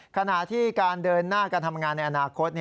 ขณะที่การเดินหน้าการทำงานในอนาคต